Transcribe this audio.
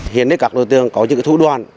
hiện các đối tượng có những thủ đoạn